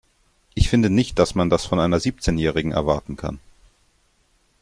Ich finde nicht, dass man das von einer Siebzehnjährigen erwarten kann.